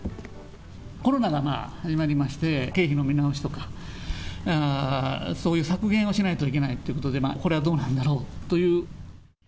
コロナが始まりまして、経費の見直しとか、そういう削減をしないといけないということで、これはどうなんだろうという。